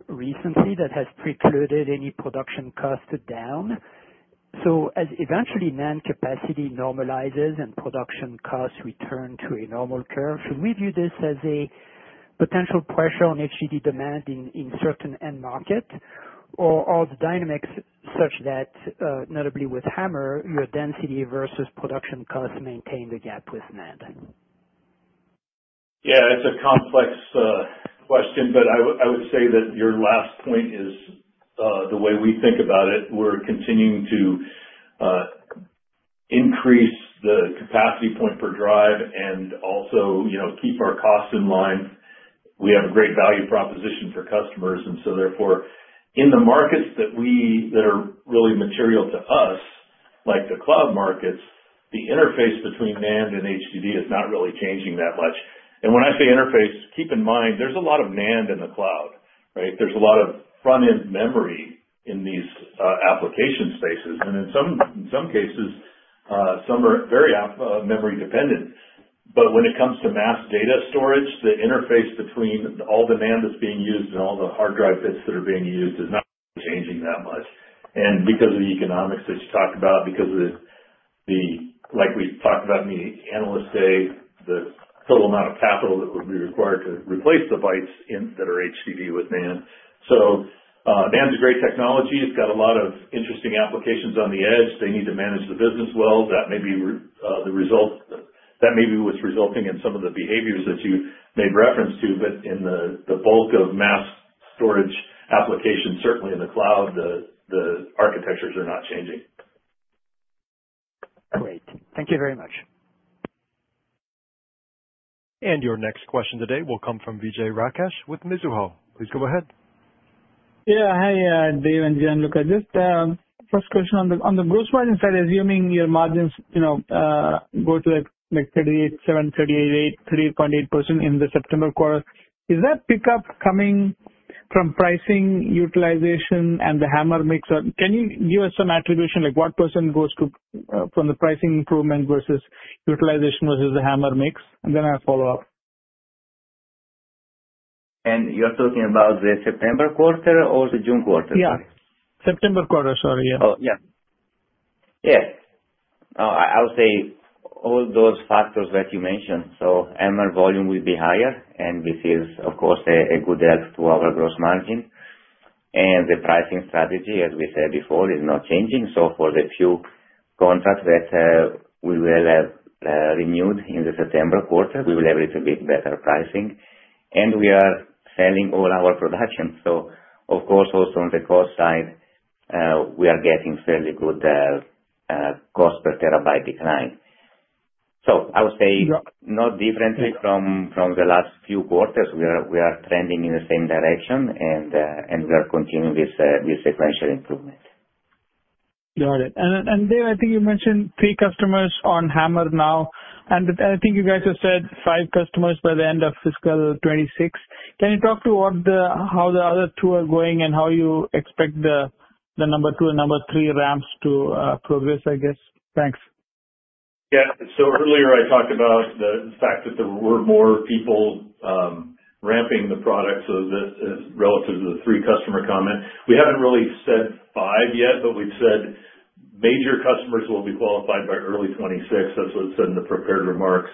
recently that has precluded any production cost down. As eventually NAND capacity normalizes and. Production costs return to a normal curve. Should we view this as a potential? Pressure on HDD demand in certain end. Market or are the dynamics such that notably with HAMR your density versus production costs maintain the gap with NAND? Yes, it's a complex question, but I would say that your last point is the way we think about it. We're continuing to increase the capacity point per drive and also keep our costs in line. We have a great value proposition for customers, and therefore in the markets that are really material to us, like the cloud markets, the interface between NAND and HDD is not really changing that much. When I say interface, keep in mind there's a lot of NAND in the cloud. Right. There's a lot of front end memory in these application spaces, and in some cases some are very memory dependent. When it comes to mass data storage, the interface between all the NAND that's being used and all the hard drive bits that are being used is not changing that much. Because of the economics that you talked about, like we talked about in the analyst day, the total amount of capital that would be required to replace the bytes that are HDD with NAND. NAND's a great technology. It's got a lot of interesting applications on the edge. They need to manage the business. That may be what's resulting in some of the behaviors that you made reference to. In the bulk of mass storage applications, certainly in the cloud, the architectures are not changing. Great, thank you very much. Your next question today will come from Vijay Rakesh with Mizuho. Please go ahead. Yeah, hi Dave and Gianluca, just first question on the gross margin side, assuming. Your margins, you know, go to like. 38%, 7, 38%, 8, 38.8% in the September quarter. Is that pickup coming from pricing, utilization. The HAMR mix? Can you give us some attribution, like. What percent goes to from the pricing improvement versus utilization versus the HAMR mix? I'll follow up. You're talking about the September quarter or the June quarter? Yes, September quarter soory Yes, I would say all those factors that you mentioned. HAMR volume will be higher and this is of course a good help to our gross margin. The pricing strategy, as we said before, is not changing. For the few contracts that we will have renewed in the September quarter, we will have a little bit better pricing and we are selling all our production. Of course, also on the cost side, we are getting fairly good cost per terabyte decline. I would say not differently from the last few quarters, we are trending in the same direction and we are continuing with sequential improvement. Got it. Dave, I think you mentioned three customers on HAMR now, and I think. You guys have said five customers by the end of fiscal 2026. Can you talk to how the other two are going and how you expect the number two and number three ramps to progress? I guess. Thanks. Yeah, earlier I talked about the fact that there were more people ramping the product. Relative to the three customer comment, we have not really said five yet, but we have said major customers will be qualified by early 2026. That is what was said in the prepared remarks.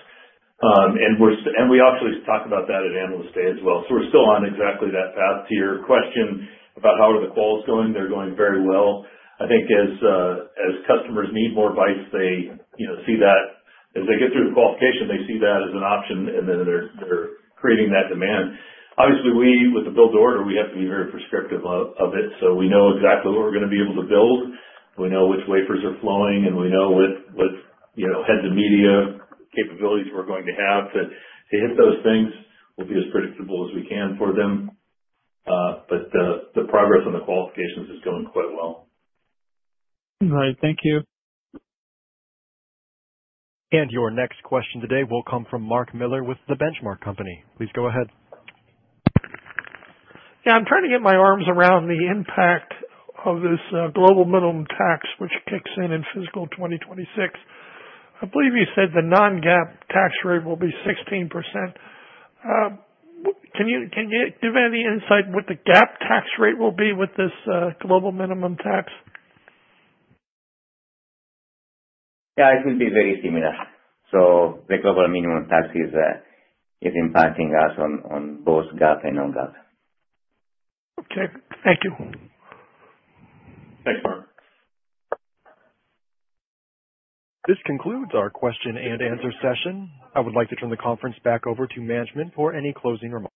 We actually talk about that at Analyst Day as well. We are still on exactly that path here. Question about how are the quals going? They are going very well. I think as customers need more bytes, they see that as they get through the qualification, they see that as an option and then they are creating that demand. Obviously, with the build-to-order, we have to be very prescriptive of it, so we know exactly what we are going to be able to build. We know which wafers are flowing and we know what heads of media capabilities we are going to have to hit those things. We will be as predictable as we can for them. The progress on the qualifications is going quite well. Right, thank you. Your next question today will come from Mark Miller with The Benchmark Company. Please go ahead. Yeah, I'm trying to get my arms around the impact of this global minimum tax which kicks in in fiscal 2026. I believe you said the non-GAAP tax rate will be 16%. Can you, can you give any insight what the GAAP tax rate will be with this global minimum tax? Yeah, it will be very similar. The global minimum tax is impacting us on both GAAP and non-GAAP. Okay, thank you. Thanks, Mark. This concludes our question and answer session. I would like to turn the conference back over to management for any closing remarks.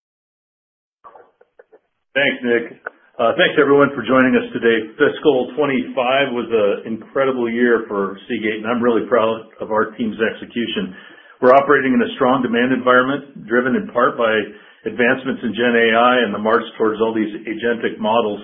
Thanks, Nick. Thanks everyone for joining us today. Fiscal 2025 was an incredible year for Seagate and I'm really proud of our team's execution. We're operating in a strong demand environment, driven in part by advancements in gen AI and the march towards all these agentic models.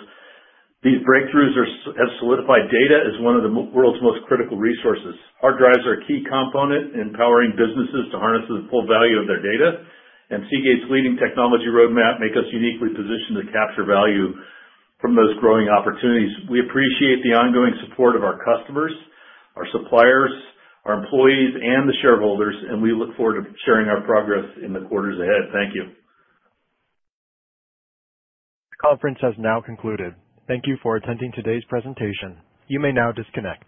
These breakthroughs have solidified data as one of the world's most critical resources. Hard drives are a key component in empowering businesses to harness the full value of their data. Seagate's leading technology roadmap makes us uniquely positioned to capture value from those growing opportunities. We appreciate the ongoing support of our customers, our suppliers, our employees, and the shareholders. We look forward to sharing our progress in the quarters ahead. Thank you. The conference has now concluded. Thank you for attending today's presentation. You may now disconnect.